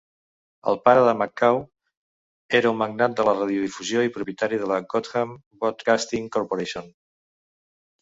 El pare de McCaw era un magnat de la radiodifusió i propietari de la Gotham Broadcasting Corporation.